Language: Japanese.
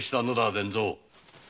伝蔵。